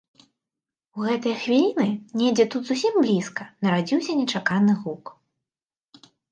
У гэтыя хвіліны, недзе тут зусім блізка, нарадзіўся нечаканы гук.